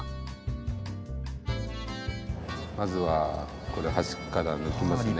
まずはこれ鉢から抜きますね。